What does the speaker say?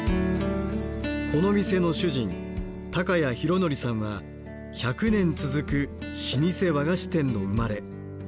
この店の主人高家裕典さんは１００年続く老舗和菓子店の生まれ。